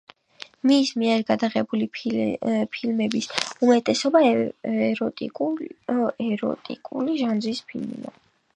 მის მიერ გადაღებული ფილმების უმეტესობა ეროტიკული ჟანრის ფილმია.